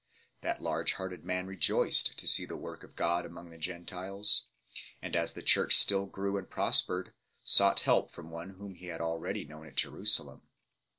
That large hearted man rejoiced to see the work of God among the Gentiles, and, as the Church still grew and prospered, sought help from one whom he had already known at Jerusalem.